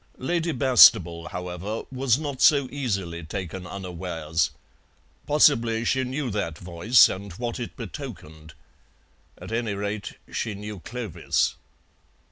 Lady Bastable, however, was not so easily taken unawares; possibly she knew that voice and what it betokened at any rate, she knew Clovis.